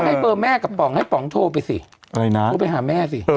ให้เบอร์แม่กับป๋องให้ป๋องโทรไปสิอะไรนะโทรไปหาแม่สิ